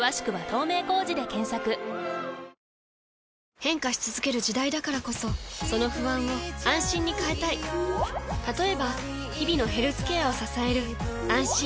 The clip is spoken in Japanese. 変化し続ける時代だからこそその不安を「あんしん」に変えたい例えば日々のヘルスケアを支える「あんしん」